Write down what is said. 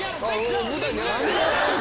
舞台に上がってる！